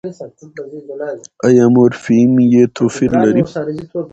ایا مورفیم يې توپیر لري؟